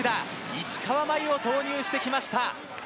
石川真佑を投入してきました。